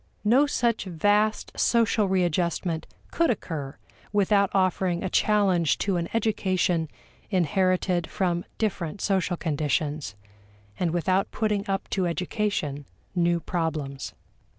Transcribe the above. No such vast social readjustment could occur without offering a challenge to an education inherited from different social conditions, and without putting up to education new problems.